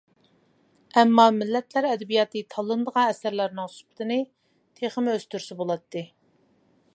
ئەمما مىللەتلەر ئەدەبىياتى تاللىنىدىغان ئەسەرلەرنىڭ سۈپىتىنى تېخىمۇ ئۆستۈرسە بولاتتى.